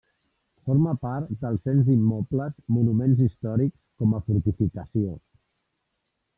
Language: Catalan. Forma part del cens d'immobles Monuments Històrics com a fortificació.